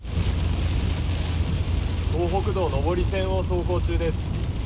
東北道上り線を走行中です。